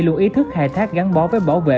luôn ý thức khai thác gắn bó với bảo vệ